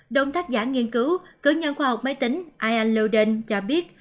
đồng tác giả nghiên cứu cử nhân khoa học máy tính ial loden cho biết